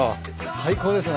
最高ですな。